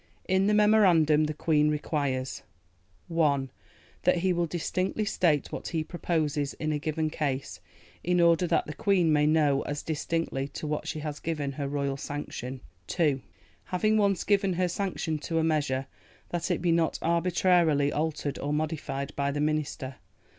In the Memorandum the Queen requires: "(1) That he will distinctly state what he proposes in a given case, in order that the Queen may know as distinctly to what she has given her royal sanction. "(2) Having once given her sanction to a measure, that it be not arbitrarily altered or modified by the Minister.